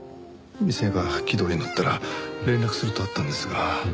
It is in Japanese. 店が軌道に乗ったら連絡するとあったんですが。